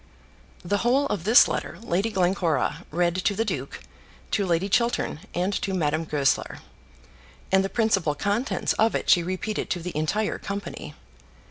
The whole of this letter Lady Glencora read to the duke, to Lady Chiltern, and to Madame Goesler; and the principal contents of it she repeated to the entire company.